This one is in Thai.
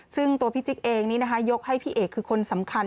ซึ่งตัวพี่จิ๊กเองนี้นะคะยกให้พี่เอกคือคนสำคัญ